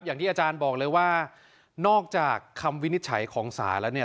อย่างที่อาจารย์บอกเลยว่านอกจากคำวินิจฉัยของศาลแล้วเนี่ย